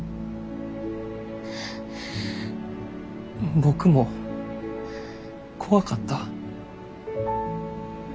僕も怖かった。